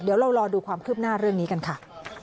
เดี๋ยวเรารอดูความคืบหน้าเรื่องนี้กันค่ะ